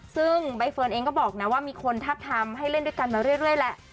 ซึ่งใบเฟิร์นเองก็บอกนะว่ามีคนทับทำให้เล่นด้วยกันมาเรื่อยแหละ